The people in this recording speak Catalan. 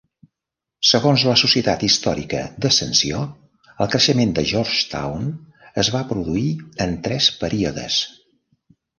Segons la Societat Històrica d'Ascensió, el creixement de Georgetown es va produir en tres períodes.